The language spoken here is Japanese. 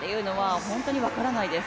本当に分からないです。